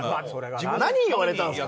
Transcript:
何言われたんですか？